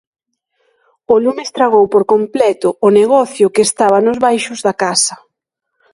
O lume estragou por completo o negocio que estaba nos baixos da casa.